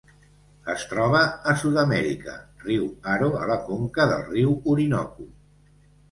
Es troba a Sud-amèrica: riu Aro a la conca del riu Orinoco.